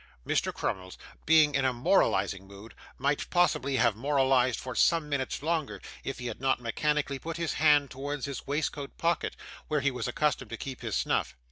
Mr. Crummles being in a moralising mood, might possibly have moralised for some minutes longer if he had not mechanically put his hand towards his waistcoat pocket, where he was accustomed to keep his snuff.